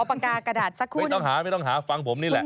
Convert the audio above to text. ขอปากกากระดาษสักคุณไม่ต้องหาฟังผมนี่แหละ